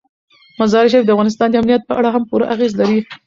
مزارشریف د افغانستان د امنیت په اړه هم پوره اغېز لري.